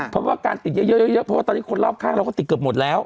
เพราะว่าการติดเยอะเพราะว่าตอนนี้คนรอบข้างเราก็ติดเกือบหมดแล้ว